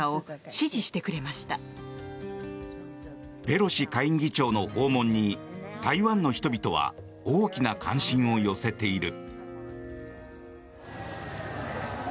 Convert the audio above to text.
ペロシ下院議長の訪問に台湾の人々は大きな関心を寄せている。